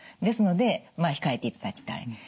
ですのでまあ控えていただきたい。